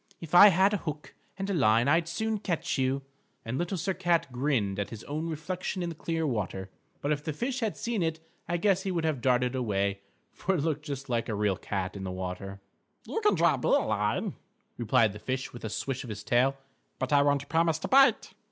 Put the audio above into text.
If I had a hook and line I'd soon catch you," and Little Sir Cat grinned at his own reflection in the clear water. But if the fish had seen it I guess he would have darted away, for it looked just like a real cat in the water. [Illustration: LITTLE SIR CAT AND DAME TROT] "You can drop me a line," replied the fish with a swish of his tail, "but I won't promise to bite."